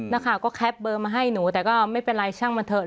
นักข่าวก็แคปเบอร์มาให้หนูแต่ก็ไม่เป็นไรช่างมันเถอ